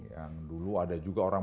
yang dulu ada juga orang